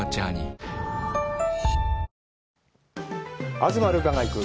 「東留伽が行く！